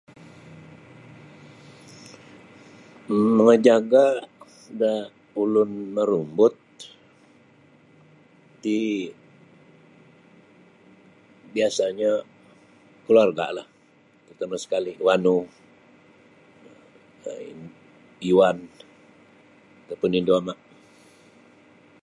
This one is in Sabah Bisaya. Mamajaga da ulun marumbut ti biasanyo keluargalah terutama sekali wanu yuan atau pun indu ama' .